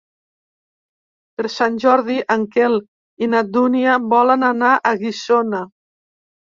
Per Sant Jordi en Quel i na Dúnia volen anar a Guissona.